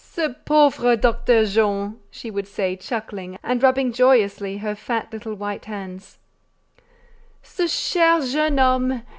"Ce pauvre Docteur Jean!" she would say, chuckling and rubbing joyously her fat little white hands; "ce cher jeune homme!